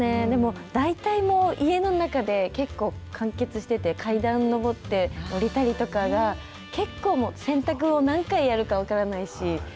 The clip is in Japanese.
でも、大体もう、家の中で結構完結してて、階段上って、下りたりとかが、結構もう、洗濯を何回やるか分からないし。